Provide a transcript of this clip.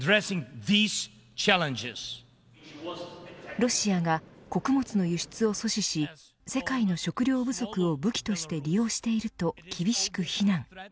ロシアが穀物の輸出を阻止し世界の食糧不足を武器として利用していると厳しく非難。